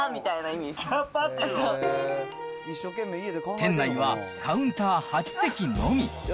店内はカウンター８席のみ。